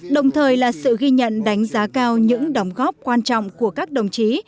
đồng thời là sự ghi nhận đánh giá cao những đóng góp quan trọng của các đồng chí